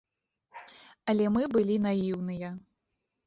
Але мы былі наіўныя.